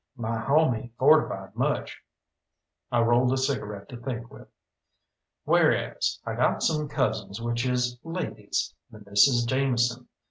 "My home ain't fortified much." I rolled a cigarette to think with. "Whereas I got some cousins which is ladies, the Misses Jameson.